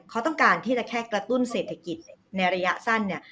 เขาต้องการที่จะแค่กระตุ้นเศรษฐกิจในระยะสั้นเนี่ย